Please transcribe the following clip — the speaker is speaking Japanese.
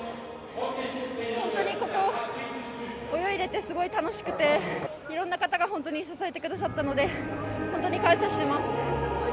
本当にここ、泳いでて、すごい楽しくて、いろんな方が本当に支えてくださったので、本当に感謝してます。